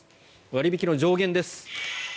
割引の上限です。